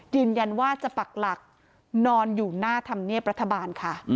ยืนยันว่าจะปักหลักนอนอยู่หน้าธรรมเนียบรัฐบาลค่ะ